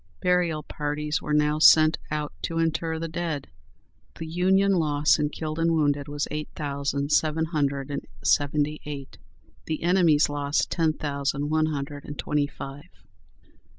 Burial parties were now sent out to inter the dead. The Union loss in killed and wounded was eight thousand seven hundred and seventy eight; the enemy's loss ten thousand one hundred and twenty five.